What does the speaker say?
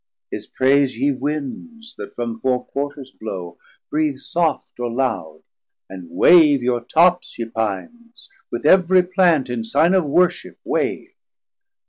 His praise ye Winds, that from four Quarters blow, Breath soft or loud; and wave your tops, ye Pines, With every Plant, in sign of Worship wave.